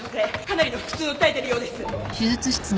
かなりの腹痛を訴えているようです。